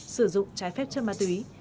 sử dụng trái phép chất ma túy